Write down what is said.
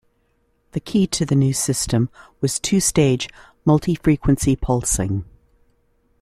The key to the new system was two-stage multi-frequency pulsing.